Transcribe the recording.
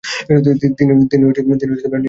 তিনি নির্বাসিত হন।